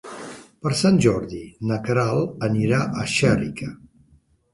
Per Sant Jordi na Queralt anirà a Xèrica.